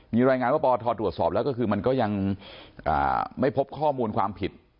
มีรายงานว่าปทตรวจสอบแล้วก็คือมันก็ยังไม่พบข้อมูลความผิด